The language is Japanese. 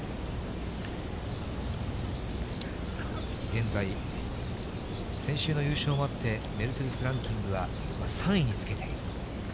現在、先週の優勝もあって、メルセデスランキングは３位につけていると。